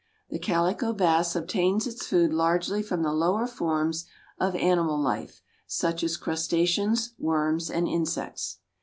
The Calico Bass obtains its food largely from the lower forms of animal life, such as crustaceans, worms and insects.